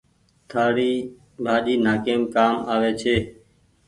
ٿآڙي ڀآڃي نآڪيم ڪآم آوي ڇي۔